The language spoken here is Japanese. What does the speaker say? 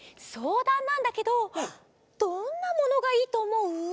そうだんなんだけどどんなものがいいとおもう？